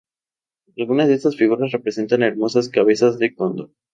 Algunas de estas figuras representan hermosas cabezas de cóndor.